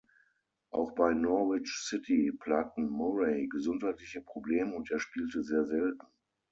Auch bei Norwich City plagten Murray gesundheitliche Probleme und er spielte sehr selten.